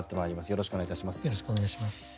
よろしくお願いします。